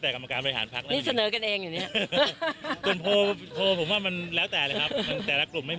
ไพรมาให้สองก็ไปด้วยกัน